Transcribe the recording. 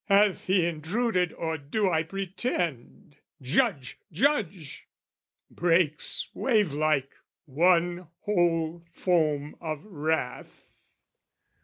"'Hath he intruded or do I pretend? "'Judge, judge!' breaks wavelike one whole foam of wrath.